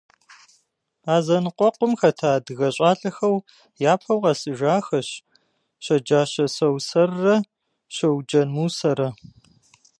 А зэныкъуэкъум хэта адыгэ щӏалэхэу япэу къэсыжахэщ Щэджащэ Сэусэррэ Щэуджэн Мусэрэ.